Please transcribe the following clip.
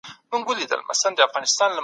هغه پوهان د سياست په اړه نوي نظریات لري.